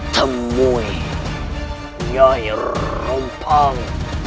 temui nyair rompang